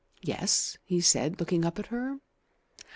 "Yes?" he said, looking up at her.